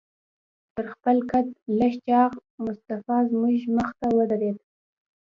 تر خپل قد لږ چاغ مصطفی زموږ مخې ته ودرېد.